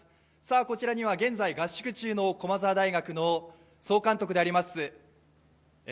こちらには現在合宿中の駒澤大学の総監督であります